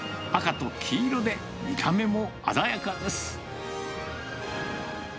赤と黄色で見た目も鮮やかです。